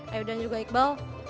ayu dan juga iqbal